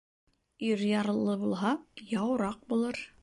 Ир ярлы булһа, яураҡ булыр